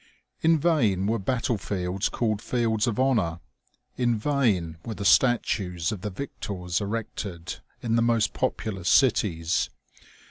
In vain were battle fields called fields of honor ; in vain were the statues of the victors erected in the most populous cities.